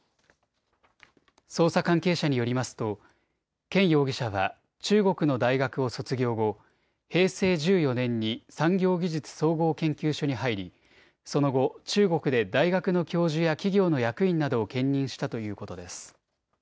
捜査関係者によりますと権容疑者は中国の大学を卒業後、平成１４年に産業技術総合研究所に入り、その後、中国で大学の教授や企業の役員などを兼任したということです。